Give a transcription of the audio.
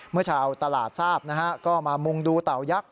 เมื่อชาวตลาดทราบนะฮะก็มามุงดูเต่ายักษ